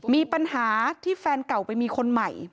มีปัญหาที่แฟนเก่าไปมีคนใหม่